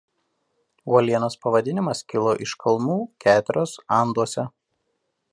Uolienos pavadinimas kilo iš kalnų keteros Anduose.